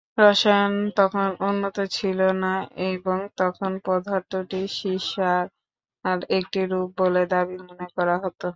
রসায়ন তখন উন্নত ছিল না এবং তখন পদার্থটি সীসার একটি রূপ বলে মনে করা হতো।